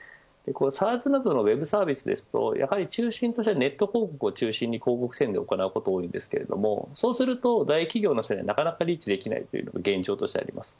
ＳａａＳなどのウェブサービスですとやはり中心としてはネット広告を中心に広告宣伝が行うことが多いですがそうするとそうすると大企業の方にはなかなかリーチできないのが現状としてあります。